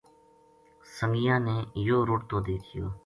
سنگیاں نے یوہ رُڑتو دیکھیو